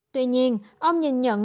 tuy nhiên ông nhìn nhận